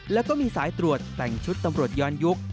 แล้วก็มีสายตรวจแต่งชุดตำรวจย้อนยุค